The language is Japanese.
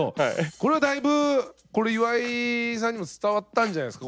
これはだいぶこれ岩井さんにも伝わったんじゃないですか？